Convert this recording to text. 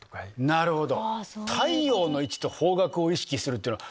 なるほど。